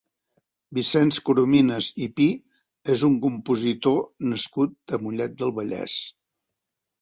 Vicenç Corominas i Pi és un compositor nascut a Mollet del Vallès.